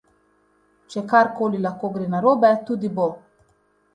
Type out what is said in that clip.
Če karkoli lahko gre narobe, tudi bo.